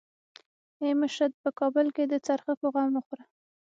ای مشره په کابل کې د څرخکو غم وخوره.